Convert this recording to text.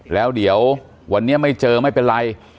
แล้วเดี๋ยววันนี้ไม่เจอไม่เป็นไร